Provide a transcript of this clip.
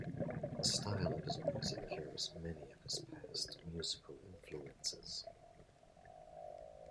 The style of his music carries many of his past musical influences.